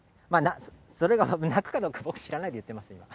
それが鳴くかどうか、僕知らないです。